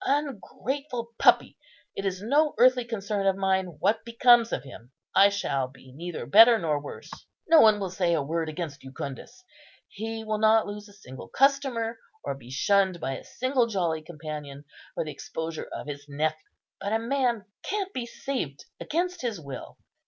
Ungrateful puppy! it is no earthly concern of mine what becomes of him. I shall be neither better nor worse. No one will say a word against Jucundus; he will not lose a single customer, or be shunned by a single jolly companion, for the exposure of his nephew. But a man can't be saved against his will.